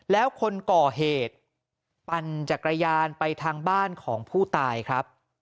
แล้วคนก่อเหตุปั่นจักรยานไปทางบ้านของผู้ตายครับ